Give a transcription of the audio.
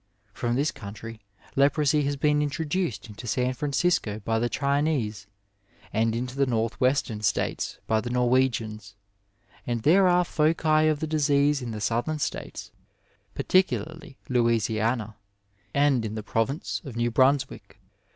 In this country leprosy has been introduced into San Fransisco by the Chinese, and into the North western States by the Norwegians, and there are foci of the disease in the Southern States, particularly Louisiana, and in the province of New Bruns wick.